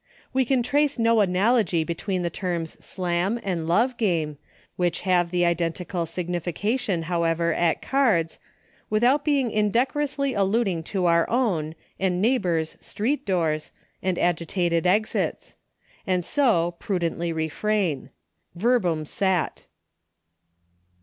We can trace no analogy between the terms Slam, and Love game, which have the identical signification, how ever, at cards, without indecorously alluding to our own, and neighbors' street doors, and agitated exits; and so, prudently refrain. Verbum sat.